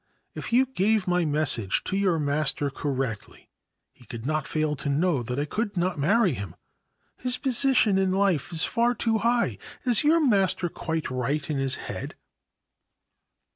If you gave my message to your master correctly he could not fail to know that I could not marry him. His position in life is far too high. Is your master quite right in his head